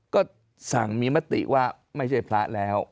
ก็สั่งมีมติว่าไม่ใช่พระแล้ว